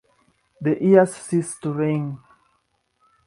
The ears cease to ring.